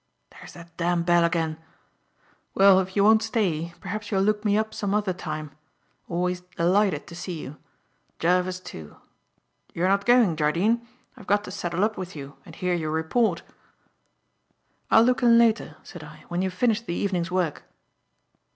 There's that damn bell again. Well, if you won't stay, perhaps you'll look me up some other time. Always d'lighted to see you. Jervis too. You're not going, Jardine. I've got to settle up with you and hear your report." "I'll look in later," said I; "when you've finished the evening's work."